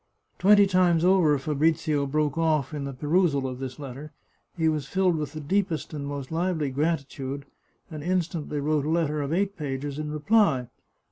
Twenty times over Fabrizio broke off in the perusal of this letter. He was filled with the deepest and most lively gratitude, and instantly wrote a letter of eight pages in reply.